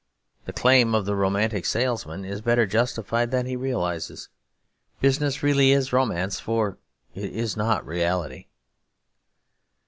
The claim of the romantic salesman is better justified than he realises. Business really is romance; for it is not reality.